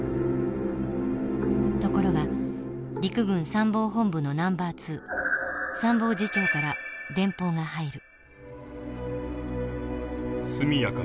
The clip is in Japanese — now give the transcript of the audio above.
ところが陸軍参謀本部のナンバー２参謀次長から電報が入る。